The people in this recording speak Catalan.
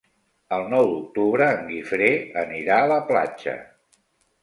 El nou d'octubre en Guifré anirà a la platja.